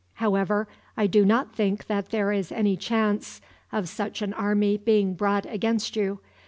"However, I do not think that there is any chance of such an army being brought against you.